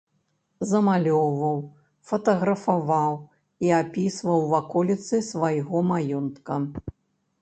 Замалёўваў, фатаграфаваў і апісваў ваколіцы свайго маёнтка.